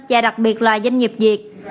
và đặc biệt là doanh nghiệp việt